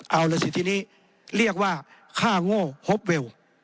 เอาล่ะสิทีนี้เรียกว่าค่าโง่ฮอปเวล